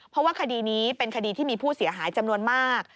เพราะว่าคดีนี้เป็นคดีที่มีผู้เสียหายจำนวนมาก